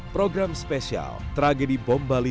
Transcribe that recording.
program spesial tragedi bom bali